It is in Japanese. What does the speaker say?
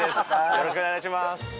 よろしくお願いします